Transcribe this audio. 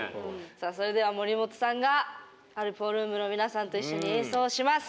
さあそれでは森本さんがアルプホルン部の皆さんと一緒に演奏します。